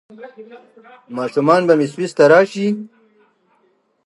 ماشومان به مې سویس ته راشي؟